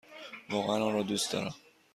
واقعا آن را دوست دارم!